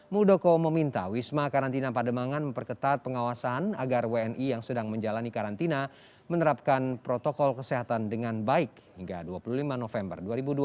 muldoko meminta wisma karantina pademangan memperketat pengawasan agar wni yang sedang menjalani karantina menerapkan protokol kesehatan dengan baik hingga dua puluh lima november dua ribu dua puluh